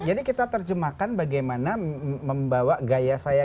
jadi kita terjemahkan bagaimana membawa gaya saya